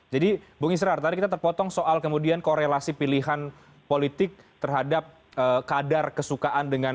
jadi bung israr tadi kita terpotong soal kemudian korelasi pilihan politik dan juga sejarah politik di tanah minang